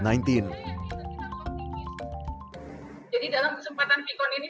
jadi dalam kesempatan v kon ini